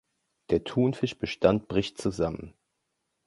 Der Thunfisch-Bestand bricht zusammen.